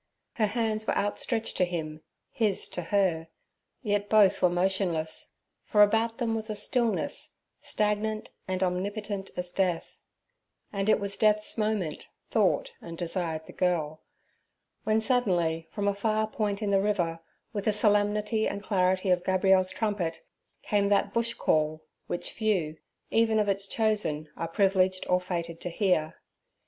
Her hands were outstretched to him, his to her, yet both were motionless, for about them was a stillness, stagnant and omnipotent as death—and it was Death's moment, thought, and desired the girl—when suddenly, from a far point in the river, with the solemnity and clarity of Gabriel's trumpet, came that Bush call, which few, even of its chosen, are privileged or fated to hear.